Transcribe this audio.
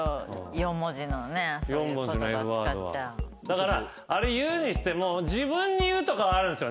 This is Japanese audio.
だからあれ言うにしても自分に言うとかはあるんすよね。